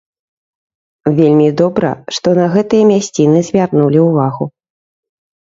Вельмі добра, што на гэтыя мясціны звярнулі ўвагу.